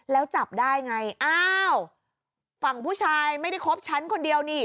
แล้วจับได้ไงอ้าวฝั่งผู้ชายไม่ได้คบฉันคนเดียวนี่